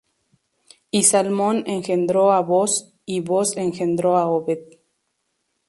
Y Salmón engendró á Booz, y Booz engendró á Obed;